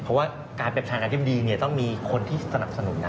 เพราะว่าการเปรียบทางการเรียบดีเนี่ยต้องมีคนที่สนับสนุนนะ